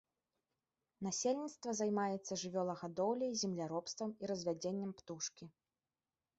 Насельніцтва займаецца жывёлагадоўляй, земляробствам і развядзеннем птушкі.